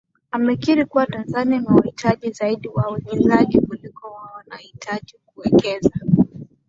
Amekiri kuwa Tanzania inawahitaji zaidi wawekezaji kuliko wao wanavyohitaji kuwekaza